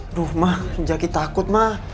aduh ma jaki takut ma